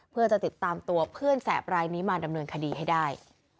เพื่อจะติดตามตัวเพื่อนแสบรายนี้มาดำเนินคดีให้ได้